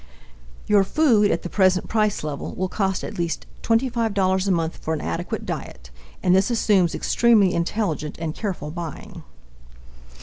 Your food, at the present price level, will cost at least $25 a month for an adequate diet and this assumes extremely intelligent and careful buying.